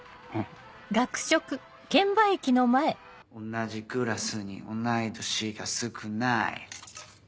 同じクラスに同い年が少ない